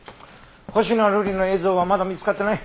星名瑠璃の映像はまだ見つかっていない。